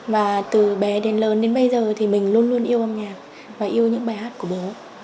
và từ bé đến lớn đến bây giờ thì mình luôn luôn yêu âm nhạc và yêu những bài hát của bố